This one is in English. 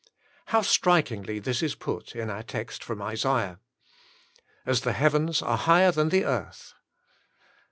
How strikingly this is put in our text from Isaiah. "As the heavens are higher than the earth."